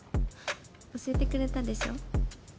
教えてくれたでしょ？